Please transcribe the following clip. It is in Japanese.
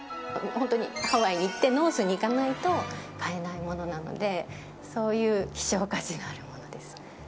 ハワイに行ってノースに行かないと買えないものなのでそういう希少価値があるものです。